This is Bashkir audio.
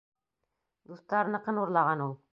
Дуҫтарыныҡын урлаған ул.